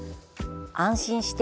「安心して。